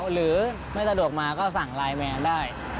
หรือไม่สะดวกมาก็สั่งไลน์แมนได้